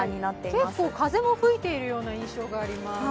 結構、風も吹いているような印象もあります。